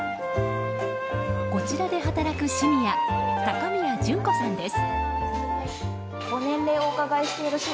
こちらで働くシニア高宮淳子さんです。